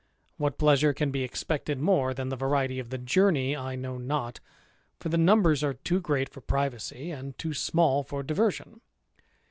What pleasure can be expected more than the variety of the journey, I know not ; for the numbers are too great for privacy, and too small for diversion.